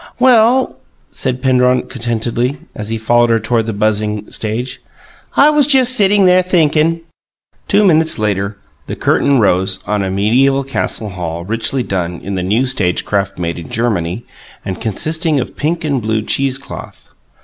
"Well," said Penrod contentedly, as he followed her toward the buzzing stage, "I was just sitting there thinking." Two minutes later the curtain rose on a medieval castle hall richly done in the new stage craft made in Germany and consisting of pink and blue cheesecloth.